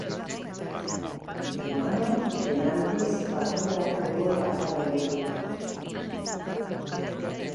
Emanak, penaltiz, partidako gol bakarra egin du.